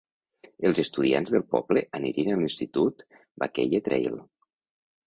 Els estudiants del poble anirien a l'institut Buckeye Trail.